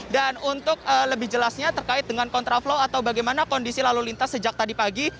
dan untuk lebih jelasnya terkait dengan kontraflow atau bagaimana kondisi lalu lintas sejak tadi pagi